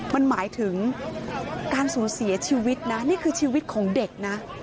มันหมายถึงการสูญเสียชีวิตนะนี่คือชีวิตของเด็กนะ